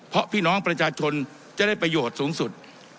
เพราะพี่น้องประชาชนจะได้ประโยชน์สูงสุด